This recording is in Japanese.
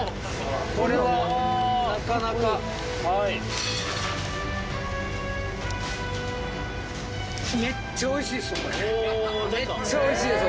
これはなかなか・おめっちゃおいしいですよ